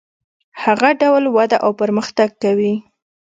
هغه ډول وده او پرمختګ کوي.